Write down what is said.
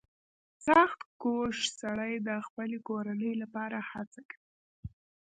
• سختکوش سړی د خپلې کورنۍ لپاره هڅه کوي.